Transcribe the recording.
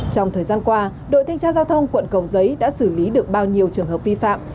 trong thời gian qua đội thanh tra giao thông quận cầu giấy đã xử lý được bao nhiêu trường hợp vi phạm